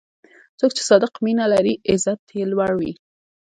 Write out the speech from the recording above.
څوک چې صادق مینه لري، عزت یې لوړ وي.